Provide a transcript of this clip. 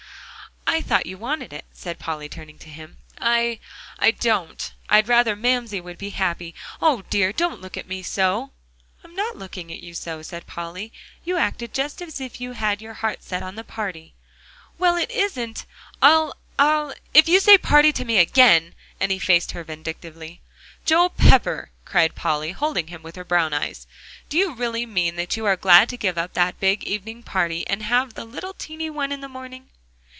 "I thought you wanted it," said Polly, turning to him. "I I don't. I'd rather Mamsie would be happy. O, dear! don't look at me so." "I'm not looking at you so," said Polly. "You acted just as if you had your heart set on the party." "Well, it isn't. I'll I'll if you say party to me again!" and he faced her vindictively. "Joel Pepper!" cried Polly, holding him with her brown eyes, "do you really mean that you are glad to give up that big evening party, and have the little teeny one in the morning?"